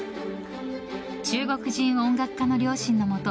中国人音楽家の両親のもと